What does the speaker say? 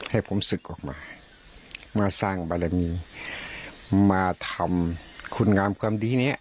ให้ผมศึกออกมามาสร้างบารมีมาทำคุณงามความดีเนี้ย